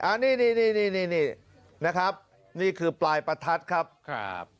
อ่านี่นี่นี่นี่นี่นี่นะครับนี่คือปลายประทัดครับครับ